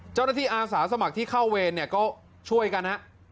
เจ้าหน้าที่อาสาสมัครที่เข้าเวรเนี่ยก็ช่วยกันนะ